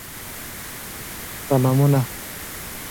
Worshippers include barbarians, fighters, druids, and half-orcs.